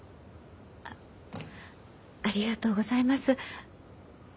ありがとうございます。